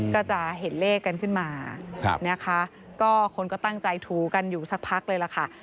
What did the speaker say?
ก็จะเห็นเลขกันขึ้นมานะคะก็คนก็ตั้งใจถูกันอยู่สักพักเลยล่ะค่ะ